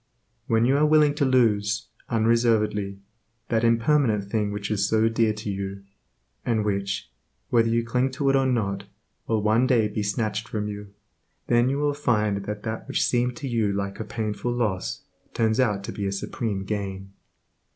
When you are willing to lose, unreservedly, that impermanent thing which is so dear to you, and which, whether you cling to it or not, will one day be snatched from you, then you will find that that which seemed to you like a painful loss, turns out to be a supreme gain.